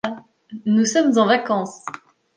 Nous sommes en vacances.